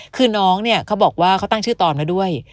คือน้องเนี่ยเขาบอกว่าเขาตั้งชื่อตอนมาด้วย